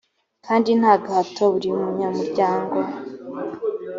kandi nta gahato buri munyamuryango